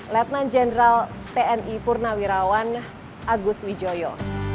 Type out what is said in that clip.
lieutenant general pni purnawirawan agus wijoyo